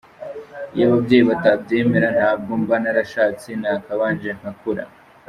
Iyo ababyeyi batabyemera ntabwo mba narashatse nakabanje nkakura.